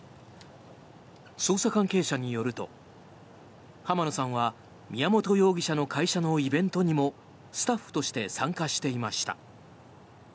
捜査関係者によると浜野さんは宮本容疑者の会社のイベントにもスタッフとして参加していました。